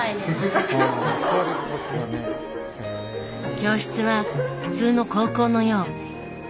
教室は普通の高校のよう。